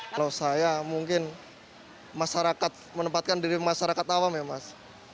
kalau saya mungkin masyarakat menempatkan diri masyarakat awam ya mas